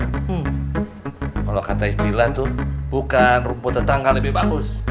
kalo kata istilah tuh bukan rumput tetangga lebih bagus